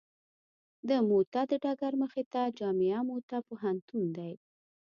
د موته د ډګر مخې ته جامعه موته پوهنتون دی.